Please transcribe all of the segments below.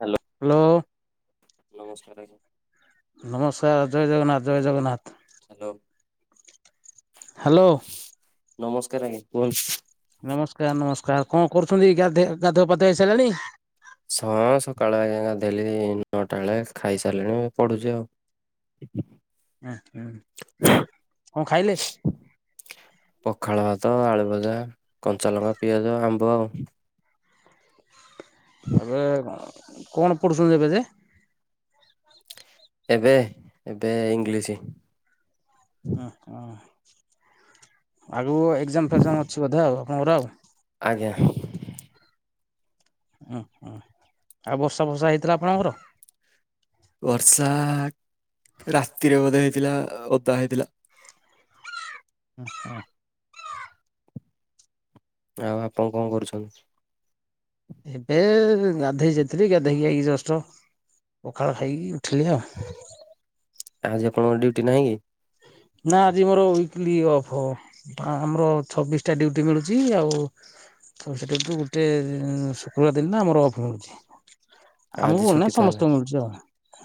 Hello hello. ନମସ୍କାର ଆଜ୍ଞା। ନମସ୍କାର ଜୟ ଜଗନ୍ନାଥ, ଜୟ ଜଗନ୍ନାଥ। Hello hello. ନମସ୍କାର ଆଜ୍ଞା। କୁହନ୍ତୁ? ନମସ୍କାର, ନମସ୍କାର। କଣ କରୁଛନ୍ତି? ଗାଧେ-ଗାଧୁଆ ପାଧୁଆ ହେଇସାଇଲାଣି? ସ-ସକାଳେ ଆଜ୍ଞା ଗାଧେଇଲିଣି, ନଅଟା ବେଳେ ଖାଇସାରିଲିଣି। ପଢୁଛି ଆଉ। [inaudible] ଏଁ ହୁଁ କଁ ଖାଇଲେ? ପଖାଳ ଭାତ ଆଳୁ ଭଜା କଞ୍ଚା ଲଙ୍କା ପିଆଜ ଆମ୍ବ ଆଉ। ଏବେ କଣ ପଢ଼ୁଛନ୍ତି ଏବେ ଯେ? ଏବେ ଏବେ ଇଂଲିଶି। ଓହୋ ଆଗୁକୁ ଏକ୍ଜାମ୍ ଫେଗ୍ଜାମ୍ ଅଛି ବୋଧେ ଆଉ ଆପଣଙ୍କର ଆଉ। ଆଜ୍ଞା। ଉଁ ହୁଁ ଆଉ ବର୍ଷା ଫର୍ଷା ହେଇଥିଲା ଆପଣଙ୍କର? ବର୍ଷା ରାତିରେ ବୋଧେ ହେଇଥିଲା ଓଦା ହେଇଥିଲା। ଓହୋ। ଆଉ ଆପଅଁ କଁ କରୁଛନ୍ତି? ଏବେ ଗାଧେଇ ଯାଇଥିଲି ଗାଧେଇକି ଆଇକି ଜଷ୍ଟ୍ ପଖାଳ ଖାଇକି ଉଠିଲି ଆଉ। ଆଜି ଆପଣଙ୍କ ଡ୍ୟୁଟି ନାହିଁ କି? ନାଁ ଆଜି ମୋର ୱିକଲି ଅଫ୍ ବା ଆମର ଛବିଶଟା ଡ୍ୟୁଟି ମିଳୁଚି ଆଉ ତ ସେଟାକୁ ଗୋଟେ ଏଁ ଶୁକ୍ରବାର ଦିନଟା ଆମର ଅଫ୍ ମିଳୁଚି। ଆଜି ଆମୁକୁ ବୋଲି ଛୁଟି ନାହିଁ ତାହେଲେ ସମସ୍ତଙ୍କୁ ମିଳୁଚି ଆଉ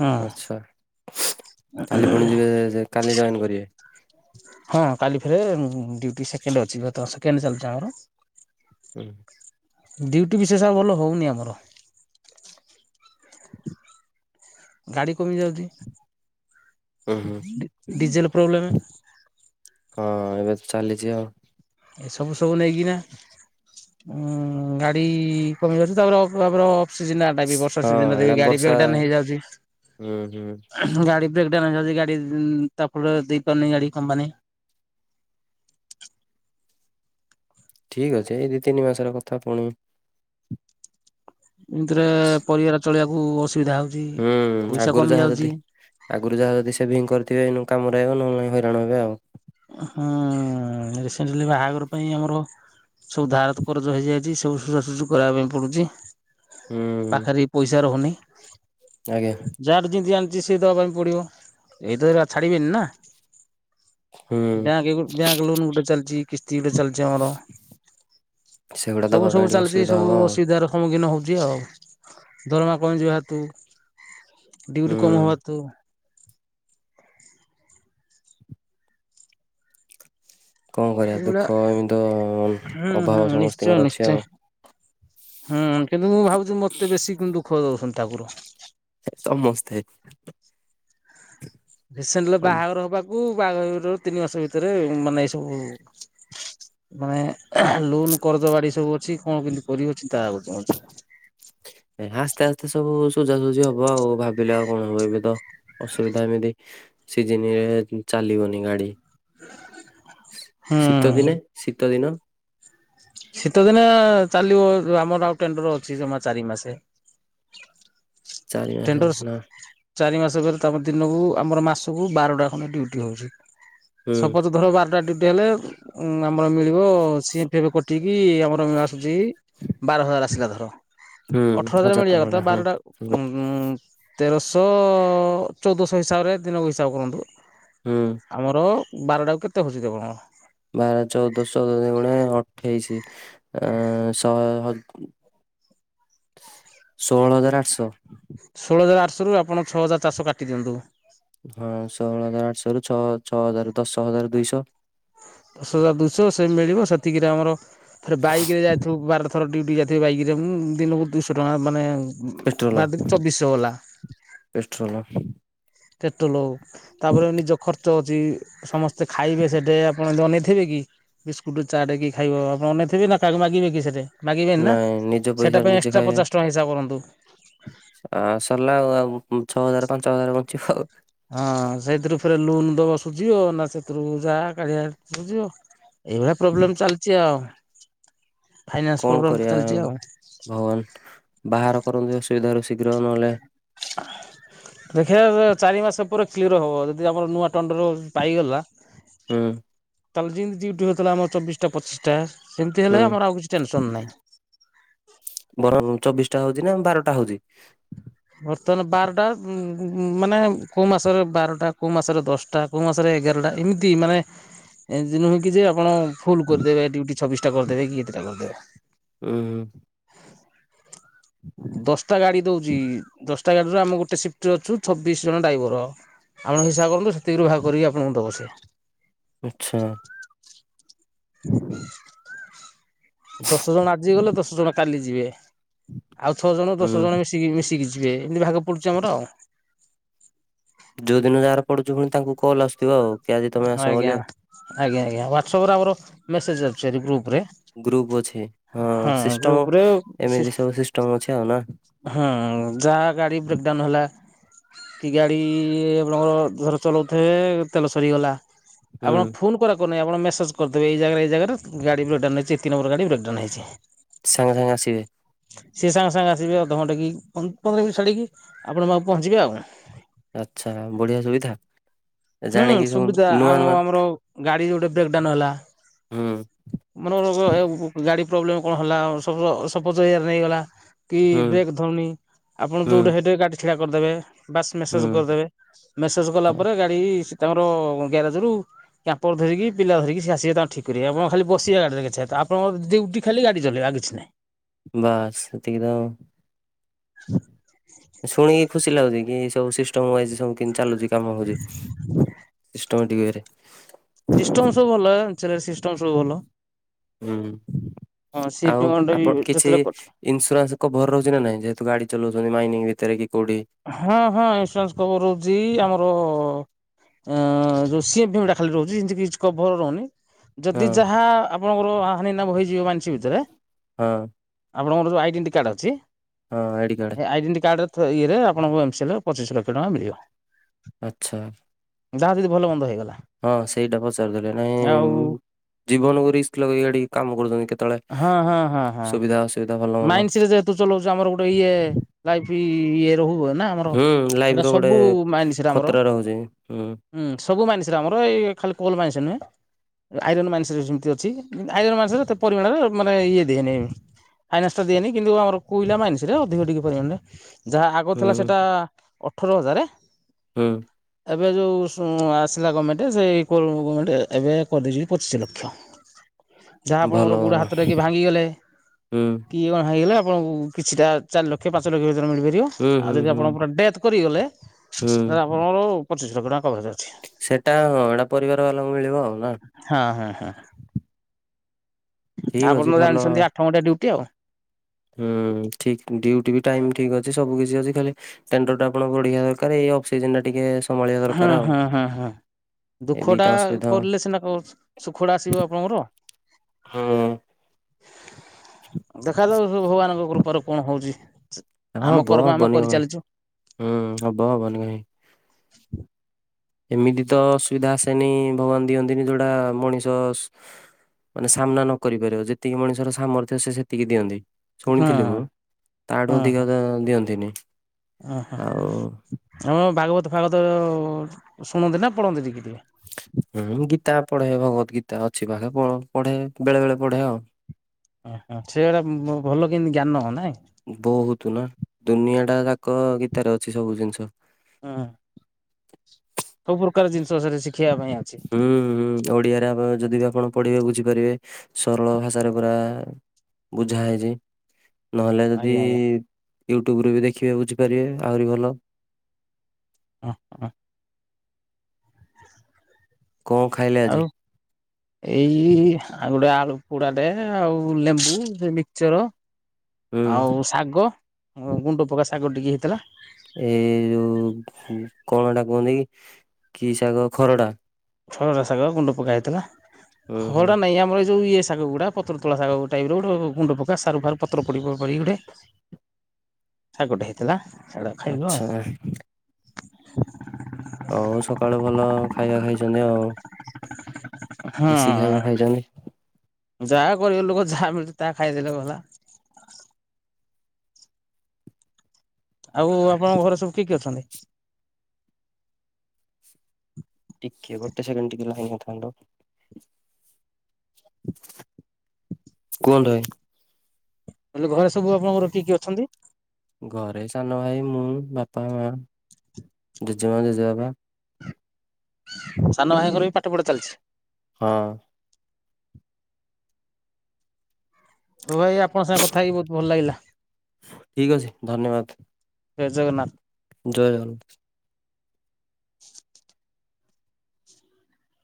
ହଁ। ଆଚ୍ଛା କାଲି ପୁଣି ଯିବେ କାଲି ଜଏନ୍ କରିବେ। ହଁ କାଲି ଫେରେ ଡ୍ୟୁଟି ସେକେଣ୍ଡ୍ ଅଛି ବା ତ ସେକେଣ୍ଡ୍ ଚାଲୁଚି ଆମର। ହୁଁ। ଡ୍ୟୁଟି ବିଶେଷ ଆଉ ଭଲ ହଉନି ଆମର। ଗାଡ଼ି କମି ଯାଉଚି। ହୁଁ ହୁଁ ଡି ଡିଜେଲ୍ ପ୍ରୋବ୍ଲେମେ। ହଁ ଏବେ ତ ଚାଲିଚି ଆଉ। ଏସବୁ ସବୁ ନେଇକିନା ଉଁ ଗାଡ଼ି କମି ଯାଉଚି ତାପରେ ଅ କାପରେ ଅ ସିଜନ୍ ଟା ଆଟା ବି ବର୍ଷା ହଁ ସିଜନ୍ ଟା ଦେଖେ ଏଇଟା ଗାଡ଼ି ବର୍ଷା ବ୍ରେକ୍ ଡାଉନ୍ ହେଇଯାଉଛି ହୁଁ ହୁଁ। ଗାଡ଼ି ବ୍ରେକ୍ ଡାଉନ୍ ହେଇଯାଉଚି ଗାଡ଼ି ତା ଫଳରେ ଦେଇପାରୁନେଇ ଗାଡ଼ି କମ୍ପାନୀ। [inaudible] ଠିକ୍ ଅଛି ଏଇ ଦି ତିନି ମାସର କଥା ପୁଣି ଇଁତିରେ ପରିବାର ଚଳିଆକୁ ଅସ୍ ହୁଁ ଆଗୁରୁ ଯାହା ଯଦି ଆଗୁରୁ ଯାହା ଯଦି ସେଭିଂ କରିଥିବେ ଏଇନୁ କାମରେ ଆଇବ ନହେଲେ ନାଇଁ ହଇରାଣ ହେବେ ଆଉ। ହୁଁ ରିସେଣ୍ଟଲି ବାହାଘର ପାଇଁ ଆମର ସବୁ ଧାର୍ ତ କରଜ ହେଇଯାଇଚି ସବୁ ସୁଜା ସୁଜି କରିବା ପାଇଁ ପଡୁଚି। ହୁଁ ପାଖରେ ଇ ପଇସା ରହୁନେଇ ଆଜ୍ଞା ଯାହାଠୁ ଯେନ୍ତି ଆଲ୍ ଯେ ସିଏ ଦବା ପାଇଁ ପଡ଼ିବ ଏଇତ ଏରା ଛାଡ଼ି ବେନି ନାଁ। ହୁଁ ବ୍ୟାଙ୍କେ ଗୋ ବ୍ୟାଙ୍କ୍ ଲୋନ୍ ଗୋଟେ ଚାଲଚି। ଚିଟେ ଚାଲିଚି ଆମର ସେଗୁଡା ଦବା ସବୁ ପାଇଁ ସବୁ ଟିକେ ଚାଲିଚି ଅସୁବିଧା ସବୁ ହବ ଆଉ ଅସୁବିଧାର ସମ୍ମୁଖୀନ ହଉ ଜି ଆଉ ଦରମା କମି ଯିବା ହେତୁ ଡିଉଟି କମ୍ ହୁଁ। ହବା ତୁ। କଁ କରିବା ଏଇଭଳିଆ ଦୁଃଖ ଏମି ତ ହୁଁ ହୁଁ ଅଭାବ ନିଶ୍ଚୟ ସମସ୍ତିଙ୍କର ଅଛି ନିଶ୍ଚୟ ଆଉ। ହୁଁ କିନ୍ତୁ ମୁଁ ଭାବୁଚି ମତେ ବେଶୀ କୁନ୍ ଦୁଃଖ ଦୋଉଛନ୍ତି ଠାକୁର। ସମସ୍ତେ ରିସେଣ୍ଟଲି ବାହାଘର ହବାକୁ ବାହାଘରରୁ ତିନି ମାସ ଭିତରେ ମାନେ ଏଇ ସବୁ ମାନେ ଲୋନ୍ କରଜ ବାଡ଼ି ସବୁ ଛି କଁ କେନ୍ତି କରିବ ଚିନ୍ତା ଆଗୁଚି ମଝିର। ସୁଜାସୁଜିି ହବ ଆଉ ଭାବିଲେ ଆଉ କଣ ହବ ଏବେ ତ ଅସୁବିଧା ଏମିତି ସିଜିନ୍ ରେ ଚାଲିବନି ଗାଡ଼ି। ଶ୍ ଶୀତ ହୁଁ ଦିନେ ଶୀତ ଦିନ? ଶୀତ ଦିନେ ଚାଲିବ ଏ ଆମର ଆଉ ଟେଣ୍ଡର୍ ଅଛି ଜମା ଚାରି ମାସେ। ହ [inaudible] ଚାରି ମାସେ ନାଁ? ଚାରି ମାସ ପରେ ତମର ଦିନକୁ ଆମର ମାସକୁ ବାରଟା ଖଣ୍ଡେ ଡ଼ିଉଟି ରହୁଚି। ହୁଁ। ସପୋଜ ଧର ବାରଟା ଡ୍ୟୁଟି ହେଲେ ଆମର ମିଳିବ ସିଏ ସିପ କଟି ଠିକ୍ ଆମର ଆସୁଚି ବାର ହଜାର ଆସିଲା ଧର। ହୁଁ ଅଠର ହଜାର ଟଙ୍କା ମିଳିବା କଥା ଭଳିଆ ହଁ ବାର ହୁଁ ଉଁ ତେରଶହ ଚଉଦଶହ ହିସାବରେ ଦିନକୁ ହିସାବ କରନ୍ତୁ। ହୁଁ ଆମର ବାରଟାକୁ କେତେ ହୋଉଚି ଯେ ବାର ଚଉଦ ଶହ ଦୁ ଗୁଣେ ଅଠେଇଶି ଅଁ ଶହେ ହ ଷୋହଳ ହଜାର ଆଠଶହ। ଷୋହଳ ହଜାର ଆଠଶହରୁ ଆପଣ ଛଅ ହଜାର ଚାରଶହ କାଟି ଦିଅନ୍ତୁ। ହଁ ଷୋହଳ ହଜାର ଆଠଶହ ରୁ ଛଅ ଛଅ ହଜାର ଦଶ ହଜାର ଦୁଇଶହ ଦଶ ହଜାର ଦୁଇଶହ ସେ ମିଳିବ ସେତିକିରେ ଆମର ଥରେ ବାଇକ୍ ରେ ଯାଇଥିବୁ ବାର ଥର ଡ୍ୟୁଟି ଯାଇଥିବୁ ବାଇକ ରେ ମୁଁ ଦିନକୁ ଦୁଇଶହ ଟଙ୍କା ମାନେ ପେଟ୍ରୋଲ ବା ଚବିଶହ ଗଲା। ପେଟ୍ରୋଲ ପେଟ୍ରୋଲ ତାପରେ ନିଜ ଖ ତ ଅଚି ସମସ୍ତେ ଖାଇବେ ସେଠି ଆପଣ ଅନେଇେଇଥିବେ କି? ବିସ୍କୁଟ ଚା ଟେ କି ଖାଇବ ଆପଣ ଅନେଇଥିବେ ନା କାହାକୁ ମାଗିବେ କି ସେଠି। ନାଇଁ ନିଜ ପଇସା ରେ ନିଜେ ଖାଇବେ। ଟଙ୍କା ହିସାବ କରନ୍ତୁ। ଆଉ ସରିଲା ଆଉ ଛଅ ହଜାର ରୁ ପାଞ୍ଚ ହଜାର ବ ହଁ ସେଇଥିରୁ ଫେରେ ଲୁନ୍ ଦବ ସୁଝିବ ନା ସେଥିରୁ ଯାହା କାଢ଼ି [unintelligible] ସୁଝିବ। ଏଇଭଳିଆ ପ୍ରୋବ୍ଲେମ୍ ଚାଲିଚି ଆଉ। ଫାଇନାନ୍ସ କଣ ପ୍ରୋବ୍ଲେମ କରିବା ଚାଲିଛି ଆଉ ଭଗବାନ ବାହାର କର [unintelligible] ଅସୁବିଧାରୁ ଶୀଘ୍ର ନହେଲେ [inaudible] ଦେଖିବା ଚାରି ମାସ ପରେ କ୍ଲିୟର ହବ ଯଦି ଆମର ନୂଆ ଟଣ୍ଡର ପାଇଗଲା। ହୁଁ ତାହାଲେ ଯିଇତି ଡ୍ୟୁଟି ହେଉଥିଲା ଆମର ଚବିଶଟା ପଚିଶଟା ସେମିତି ହେଲେ ହୁଁ ଆମର ଆଉ କିଛି ଟେନସନ୍ ନାହିଁ। [unintelligible] ବରଂ ଚବିଶ୍ ଟା ହୋଉଚି ନା ବାରଟା ହୋଉଚି? ବର୍ତ୍ତମାନ ବାରଟା ମାନେ କୋଉ ମାସରେ ବାରଟା କୋଉ ମାସରେ ଦଶଟା କୋଉ ମାସରେ ଏଗାରଟା ଏମିତି ମାନେ [unintelligible] ନୁହେଁ କି ଯେ ଆପଣ ଫୁଲ୍ କରିଦେବେ ଡ୍ୟୁଟି ଛବିଶ ଟା କରିଦେବେ କି ଏତେଟା ଉୁଁ କରିଦବେ। ଦଶଟା ଗାଡି ଦୋଉଚି ଦଶଟା। ତା ଗାଡିରୁ ଆମେ ଗୋଟେ ସିଫ୍ଟରେଅଛୁ ଛବିଶ ଜଣ ଡ୍ରାଇଭର ଆପଣ ହିସାବ କରନ୍ତୁ ଏତିକିରୁ ଭାଗ କରିକି ଆପଣଙ୍କୁ ଦବ ସିଏ। ଆଚ୍ଛା। ଦଶ ଜଣ ଆଜି ଗଲେ ଦଶ ଜଣ କାଲି ଯିବେ ଆଉ ଛଅ ଜଣ ହୁଁ। ଦଶ ଜଣ ମିଶିକି ମିଶିକି ଯିବେ। ଯିବେ। ଇନ୍ଦି ଭାଗ ପଡୁଛି ଆମର ଆଉ। ଯୋଉ ଦିନ ଯାହାର ପଡୁଛି ପୁଣି ତାଙ୍କୁ କଲ୍ ଆସୁଥିବ ଆଉ। କି ଆଜି ତମେ ହଁ ଆସ ବୋଲି ଆଜ୍ଞା ଆଉ ଆଜ୍ଞା ଆଜ୍ଞା ହ୍ୱାଟସପରେ ଆମର ମେସେଜ ଆସୁଛି ହାରି। ଗ୍ରୁପ ରେ ଗ୍ରୁପ ଅଛି ହଁ ଗ୍ରୁପ ସିଷ୍ଟମ ରେ ଏମିତି ସବୁ ସିଷ୍ଟମ ଅଛି ଆଉ ନା? ହୁଁ ଯାହା ଗାଡି ବ୍ରେକ୍ ଡ଼ାଉନ ହେଲା କି ଗାଡି ଇ- [unintelligible] ଧର ଚଲାଉଥିବେ ତେଲ ସରିଗଲା। ଆଉ ହୁଁ କଣ ଫୋନ୍ କରା ନାଇଁ ଆପଣ ମେସେଜ କରିଦେବେ ଏଇ ଜାଗରେ ଏଇ ଜାଗାରେ ଗାଡି ବ୍ରେକ ଡାଉନ୍ ହେଇଛି ଏତିକି ନମ୍ବର ଗାଡି ବ୍ରେକ ଡାଉନ୍ ହେଇଛି। ସାଙ୍ଗେ ସାଙ୍ଗେ ଆସିବେ। ସିଏ ସାଙ୍ଗେ ସାଙ୍ଗେ ଆସିବେ। ଅଧଘଣ୍ଟେ କି ପନ୍ଦ-ପନ୍ଦର ମିନିଟ୍ ଛାଡ଼ିକି ଆପଣଙ୍କ ପାଖକୁ ପହଞ୍ଚିବେ ଆଉ। ଆଚ୍ଛା ବଢିଆ ସୁବିଧା? ହୁଁ ଜାଣିକି ସବୁ ସୁବିଧା ନୂଆ ନୂଆ ଆମ-ଆମର ଗାଡି ଯଉଠେ ବ୍ରେକ୍ଡାଉନ୍ ହେଲା ହୁଁ ମନେକର ଗାଡି ପ୍ରୋବ୍ଲେମ କଣ ହେଲା ସପଜ-ସପୋଜ ଏୟାର ନେଇଗଲା। କି ହୁଁ ବ୍ରେକ୍ ଧରୁନି ଆପଣ ହୁଁ ଯଉଢେ ହେଇଢେ ଗାଡି ଛିଡା କରିଦେବେ। ବାସ୍ ହୁଁ ମେସେଜ କରିଦେବେ। ମେସେଜ କଲା ହଁ, ପରେ ଗାଡି ସେ ତାଙ୍କର ଗ୍ୟାରେଜରୁ କ୍ୟାପର ଧରିକି ପିଲା ଧରିକି ସେ ଆସିବେ ତାଙ୍କର ଠିକ କରିବେ ଆପଣ ଖାଲି ବସିବେ ଗାଡିରେ କେଛି ଆପଣର ଡ୍ୟୁଟି ଖାଲି ଗାଡି ଚଲେଇବା। ଆଉ କିଛି ନାହିଁ। ବାସ୍ ହେତିକି ତ। ଶୁଣିକି ଖୁସି ଲାଗୁଛି କି ସବୁ ସିଷ୍ଟମ ୱାଇଜ ସବୁ କେମିତି ଚାଲୁଛି। କାମ ହଉଛି ସିଷ୍ଟମେଟିକ୍ ୱେରେ ସିଷ୍ଟମ ସବୁ ଅଲଗା ଢାଞ୍ଚାରେ ସିଷ୍ଟମ ସବୁ ଭଲ। ହୁଁ। ହଁ ସି ଆଉ ପେମେଣ୍ଟ ବି ଆପଣ କିଛି ଯେତେବେଳେ କର ଇନସୁରାନ୍ସ କଭର ରହୁଛି ନା ନାହିଁ? ଯେହେତୁ ଗାଡି ଚଲଉଛନ୍ତି ମାଇନିଂ ଭିତରେ କି କୋଉଠି ହଁ ହଁ ଇନ୍ସୁରାନ୍ସ କଭର ରହୁଛି ଆମର ଅଁ-ଯୋଉ ସିଏଡା ଖାଲି ରହୁଛି ଯେମିତି କିଛି କଭର ରହୁନି [inaudible] ହଁ ଯଦି ଯାହା, ଆପଣଙ୍କର ହାନିନାଭ ହେଇଯିବ ମାନ୍ସି ଭିତରେ ହଁ। ଆପଣଙ୍କରଯୋଉ ଆଡେଣ୍ଟି କାର୍ଡ ଅଛି ହଁ ଏଡିକାଡ଼େ। ତ, ଇଏରେ ଆପଣଙ୍କୁ ଏମ ସିଏଲେରେ ପଚିଶ୍ ଲକ୍ଷ ଟଙ୍କା ମିଳିବ। ଆଚ୍ଛା। ଯାହା ଯଦି ଭଲ ମନ୍ଦ ହେଇଗଲା। ହଁ ସେଇଟା ପଚାରିଦେଲେ ନାଇଁମ୍ ଆଉ ଜୀବନକୁ ରିସ୍କ ଲଗେଇ ଏଇଠି କାମ କରୁଛନ୍ତି, କେତେବେଳେ ହଁ ହଁ ହଁ ସୁବିଧା ଅସୁବିଧା ଭଲ ମନ୍ଦ ମାଇନ୍ସରେ ହେଯେତୁ ଚଲଉଛୁ, ଆମର ଗୋଟେ ଇଏ ଲାଇଫି ଇଏ ଓହୋଓନା ଆମର ହୁଁ ଲାଇଫ ସେଟା ର ଗୋଟେ ସବୁ ମାଇନ୍ସରେ ଆମର। ଖତରା ରହୁଛି ହୁଁ ସବୁ ମାନ୍ସରେ ଆମର, ଏ-ଇ ଖାଲି କୋଲ ମାନ୍ସ ନୁହେଁ। ଆଇରନ୍ ମାଇନ୍ସରେ ସେମିତି ଅଛି, ଆଇରନ୍ ମାଇନ୍ସରେ ଏତେ ପରିମାଣରେ ମାନେ ଇଏ ଦିଏନାହିଁ। ଫାଇନାନ୍ସଟା ଦିଏନି, କିନ୍ତୁ ଆମର କୋଇଲା ମାଇନ୍ସରେ ଅଧିକ ଟିକେ ପରିମାଣରେ ଯାହା ଆଗ ଥିଲା ହୁଁ ସେଟା ଅଠର ହଜାରେ ହୁଁ। ଏବେ ଯେଉଁ ଆସିଲା ଗମେଣ୍ଟ, ସେଇ କୋଉ ଗମେଣ୍ଟ ଏବେ କରିଦେଇଛି ପଚିଶ୍ ଲକ୍ଷ। ଯାହା ଆପଣଙ୍କର ଭଲ ଭଲ ଗୋଡହାତଟେ କି ଭାଙ୍ଗିଗଲେ ହୁଁ କି କଣ ହେଇଗଲେ ଆପଣଙ୍କୁ କିଛିଟା ଚାରି ଲକ୍ଷ ପାଞ୍ଚ ଲକ୍ଷ ବ ମିଳିପାରିବ। ହୁଁ ଆଉ ହୁଁ ଯଦି ହୁଁ ଆପଣ ପୁରା ଡେଥ୍ କରିଗଲେ, ତାହେଲେ ହୁଁ ଆପଣଙ୍କୁ ପଚିଶ ଲକ୍ଷ ଟଙ୍କା କଭରେଜ ଅଛି ସେଟା ହଁ, ଏଟା ପରିବାର ବାଲାଙ୍କୁ ମିଳିବ ଆଉ। ନା ହଁ ହଁ ହଁ। ଠିକ ଅଛି ଆପଣ ତ ଭଲ ଜାଣିଛନ୍ତି ଆଠ ଘଣ୍ଟଆ ଡ୍ୟୁଟି ଆଉ। ହୁଁ ଠିକ ଡ୍ୟୁଟି ବି ଟାଇମ ଠିକ ଅଛି ସବୁ କିଛି ଅଛି ଖାଲି ଟେଣ୍ଡର ଟା ଆପଣ ବଢିିବା ଦରକାର ଏଇ ଅଫ [unintelligible] ଟା ଟିକେ ସମ୍ଭାଳିବା ହଁ ଦରକାର ଆଉ ହଁ ହଁ ହଁ। ଏଇ ଦୁଃଖ ଟା ଦିଟା ଅସୁବିଧା କରଲେ ସିନା କ ସୁଖ ଟା ଆସିବ ଆପଣଙ୍କର। ହଁ। ଦେଖା ଯାଉ ସେ ଭଗବାନଙ୍କ କୃପାରେ କଣ ହୋଉଚି। ହଁ [unintelligible] ହୁଁ ହଁ ହବ ହବନି କାହିଁ। [inaudible] ଏମିତି ତ ଅସୁବିଧା ଆସେନି ଭଗବାନ ଦିଅନ୍ତିନି ଯୋଉଟା ମଣିଷ ମାନେ ସାମ୍ନା ନ କରିପାରିବ ଯେତିକି ମଣିଷର ସାମର୍ଥ୍ୟ ସେତିକି ଦିଅନ୍ତି। ହଁ ଶୁଣିଥିଲି ମୁଁ ହଁ ତାଠୁ ହଁ ଅଧିକ ଦିଅନ୍ତିନି। ଆଉ ଓହୋ ଆମ ଭାଗବତ ଫାଗବତ ଶୁଣନ୍ତି ନା ପଢ଼ନ୍ତି ଟିକେ ହୁଁ ଗୀତା ପଢେ ଭଗବତ ଗୀତା ଅଛି ପାଖେ ପଢେ ବେଳେ ବେଳେ ପଢେ ଆଉ। ଓ ହୋ ସେଗଟା ଭଲ କେମତି ଜ୍ଞାନ ନହ ନାଇଁ। କ ଗୀତାରେ ଅଛି ସବୁ ଜିନିଷ। ହୁଁ ସବୁପକାର ଜିନିଷ ସରେ ଶ ହୁଁ ହୁଁ ଓଡିଆରେ ଯଦି ଆପଣ ପଢିବେ ବୁଝିବେ। କରିବେ ସରଳ ଭାଷାରେ ପୁରା ବୁଝା ହେଇଛି। ନହେଲେ ଯଦି ଆଜ୍ଞା ଆଜ୍ଞା ୟୁଟ୍ୟୁବରୁ ବି ଦେଖିବେ ବୁଝିପାରିବେ ଆହୁରି ଭଲ। ହ ହ କଣ ଖାଇଲେ ଆଜି ଆଉ ଏଇ ଆଉ ଗୋଟେ ଆଳୁ ପୋଡାଟେ ଆଉ ଲେମ୍ବୁ ମିକ୍ଚର ହୁଁ ଆଉ ଶାଗ। ଗୁଣ୍ଡ ପକା ଶାଗର ଟିକେ ହେଇଥିଲା। ଏ ଯୋଉ ଊ କଣ ଟା କୁହନ୍ତି କି ଶାଗ ଖରଡା। ଖଡରା ସାଗ ଗୁଣ୍ଡ ପକା ହେଇଥିଲା। ହୁଁ ହୁଁ ଖଡା ନାଇ ଆମର ଯୋଉ ଇଏ ଶାଗ ଗୁଡ଼ା ପତ୍ର ତୋଳା ଶାଗ ଟାଇପର ଗୋଟେ ଗୁଣ୍ଡ ପକା ସାରୁ ଫାରୁ ପତ୍ର ପ ପ୍ ପଡି ଗୋଟେ ସାଗଟେ ହେଇଥିଲା। ସେଟା ଖାଇଲୁ ଆଉ। ଆଚ୍ଛା। ହଉ ସକାଳୁ ଭଲ ଖାଇବା ଖାଇଛନ୍ତି ଆଉ। ଦେଶୀ ଖାଇବା ହଁ ଖାଇଛନ୍ତି। ଯାହା ଗରିବ ଲୋକ ଯାହା ମିଳୁଛି ତାହା ଖାଇଦେଲେ ଗଲା। ଆଉ ଆପଣଙ୍କ ଘରେ ସବୁ କିଏ କିଏ ଅଛନ୍ତି? ଟିକେ ଗୋଟେ ସେକେଣ୍ଡ ଟିକେ ଲାଇନରେ ଥାଆନ୍ତୁ। କୁହନ୍ତୁ ଭାଇ। ବଲେ ଘରେ ସବୁ ଆପଣଙ୍କର କିଏ କିଏ ଅଛନ୍ତି। ଘରେ ସାନ ଭାଇ ମୁଁ ବାପା ମା ଜେଜେମା ଜେଜେବାପା। ସାନ ଭାଇଙ୍କର ବି ପାଠ ପଢା ଚାଲିଛି। ହଁ। ହଉ ଭାଇ ଆପଣଙ୍କ ସାଙ୍ଗ କଥା ହେଇକି ବହୁତ ଭଲ ଲାଗିଲା। ଠିକ ଅଛି ଧନ୍ୟବାଦ। ଜୟ ଜଗନ୍ନାଥ। ଜୟ ଜଗନ୍ନାଥ। [unintelligible]